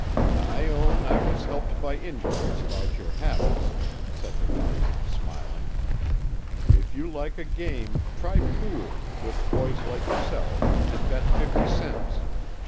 "I own I was helped by inquiries about your habits," said the doctor, smiling. "If you like a game, try pool, with boys like yourself, and bet fifty cents.